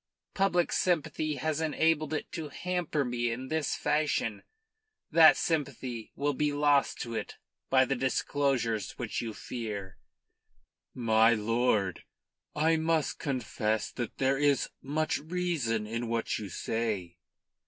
Public sympathy has enabled it to hamper me in this fashion. That sympathy will be lost to it by the disclosures which you fear." "My lord, I must confess that there is much reason in what you say."